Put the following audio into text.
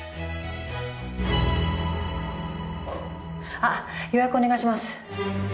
あ予約お願いします。